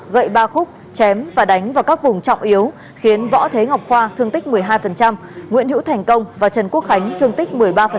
gậy ba khúc chém và đánh vào các vùng trọng yếu khiến võ thế ngọc khoa thương tích một mươi hai nguyễn hữu thành công và trần quốc khánh thương tích một mươi ba